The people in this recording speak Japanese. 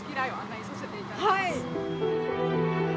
はい。